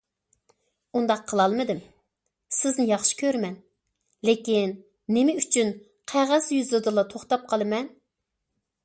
ئۇنداق قىلالمىدىم، سىزنى ياخشى كۆرىمەن، لېكىن نېمە ئۈچۈن قەغەز يۈزىدىلا توختاپ قالىمەن؟!